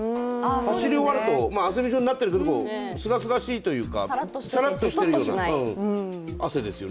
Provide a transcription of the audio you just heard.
走り終わると、汗びしょになってるけれどすがすがしいというか、サラっとしているような汗ですよね。